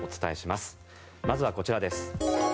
まずはこちらです。